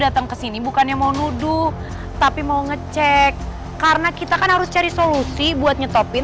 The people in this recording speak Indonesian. datang ke sini bukannya mau nuduk tapi mau ngecek karena kita kan harus cari solusi buat nyetopin